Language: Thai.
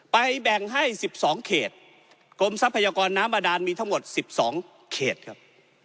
ไปแบ่งให้สิบสองเขตกลมทรัพยากรน้ำอดานมีทั้งหมดสิบสองเขตครับ